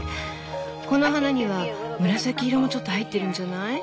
この花には紫色もちょっと入ってるんじゃない？